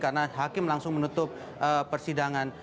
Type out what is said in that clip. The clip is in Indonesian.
karena hakim langsung menutup persidangan